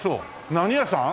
何屋さん？